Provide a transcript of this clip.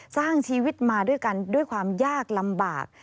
สร้างชีวิตมาด้วยกันด้วยความยากลำบาก